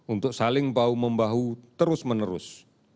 untuk saling bahu membahu terus menerus